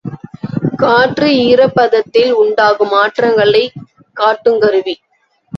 காற்று ஈரப்பதத்தில் உண்டாகும் மாற்றங்களைக் காட்டுங் கருவி.